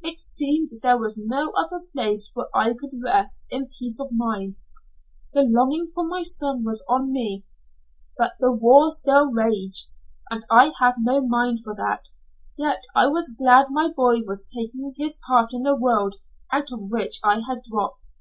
It seemed there was no other place where I could rest in peace of mind. The longing for my son was on me, but the war still raged, and I had no mind for that, yet I was glad my boy was taking his part in the world out of which I had dropped.